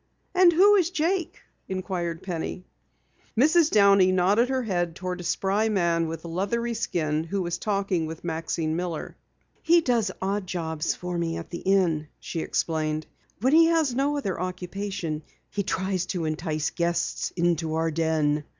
"And who is Jake?" inquired Penny. Mrs. Downey nodded her head toward a spry man with leathery skin who was talking with Maxine Miller. "He does odd jobs for me at the Inn," she explained. "When he has no other occupation he tries to entice guests into our den."